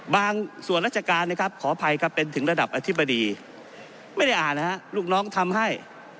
บางส่วนราชการนะครับขออภัยครับเป็นถึงระดับอธิบดีไม่ได้อ่านนะฮะลูกน้องทำให้